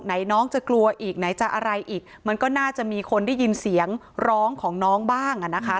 น้องจะกลัวอีกไหนจะอะไรอีกมันก็น่าจะมีคนได้ยินเสียงร้องของน้องบ้างอ่ะนะคะ